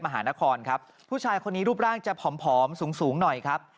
มหานครครับผู้ชายคนนี้รูปร่างจะผอมผอมสูงสูงหน่อยครับ